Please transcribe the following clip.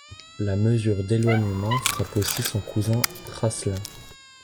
La mesure d'éloignement frappe aussi son cousin Praslin.